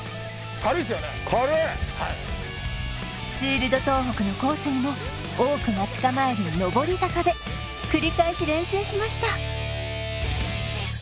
軽いツール・ド・東北のコースにも多く待ち構える上り坂で繰り返し練習しました